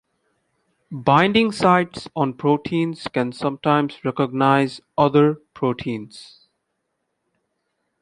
Binding sites on proteins can sometimes recognize other proteins.